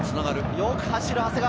よく走る、長谷川。